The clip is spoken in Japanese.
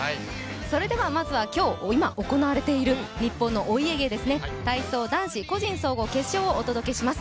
それでは今、行われている日本のお家芸ですね、体操男子個人総合決勝をお届けします。